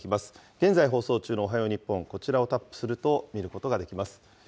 現在放送中のおはよう日本、こちらをタップすると見ることができます。